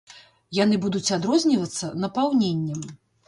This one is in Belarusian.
Яны будуць адрознівацца напаўненнем.